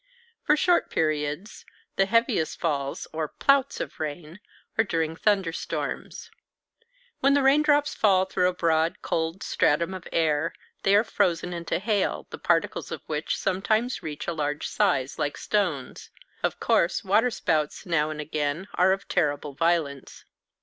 For short periods, the heaviest falls or "plouts" of rain are during thunder storms. When the raindrops fall through a broad, cold stratum of air, they are frozen into hail, the particles of which sometimes reach a large size, like stones. Of course, water spouts now and again are of terrible violence.